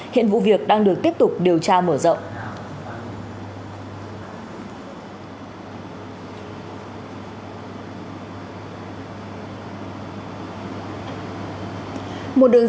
hiện vụ việc đang được tiếp tục điều tra mở rộng